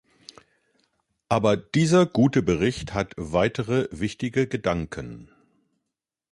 Aber dieser gute Bericht hat weitere wichtige Gedanken.